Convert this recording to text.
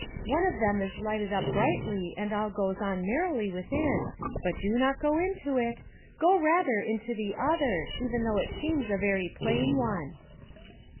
One of them is lighted up brightly and all goes on merrily within, but do not go into it; go rather into the other, even though it seems a very plain one.